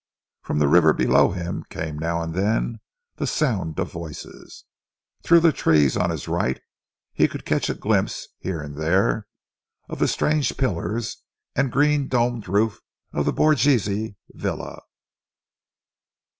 From the river below him came now and then the sound of voices. Through the trees on his right he could catch a glimpse, here and there, of the strange pillars and green domed roof of the Borghese villa.